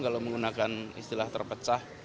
kalau menggunakan istilah terpecah